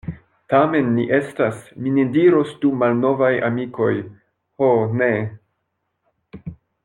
Tamen ni estas, mi ne diros du malnovaj amikoj, ho ne!